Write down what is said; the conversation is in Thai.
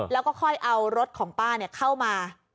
แล้วก็ค่อยเอารถของป้าเข้ามา